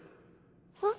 えっ？